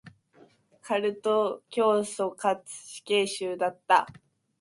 カルト教祖かつ死刑囚だった。